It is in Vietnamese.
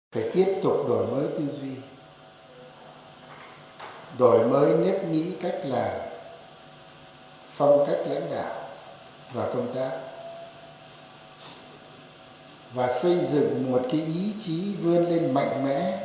phong cách lãnh đạo và công tác và xây dựng một ý chí vươn lên mạnh mẽ